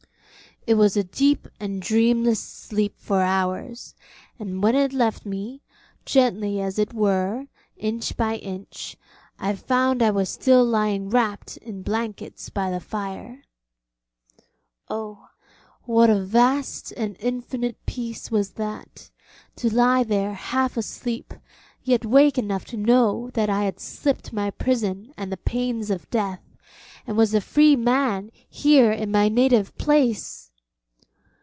It was a deep and dreamless sleep for hours, and when it left me, gently and as it were inch by inch, I found I was still lying wrapped in blankets by the fire. Oh, what a vast and infinite peace was that, to lie there half asleep, yet wake enough to know that I had slipped my prison and the pains of death, and was a free man here in my native place!